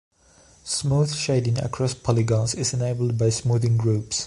Smooth shading across polygons is enabled by smoothing groups.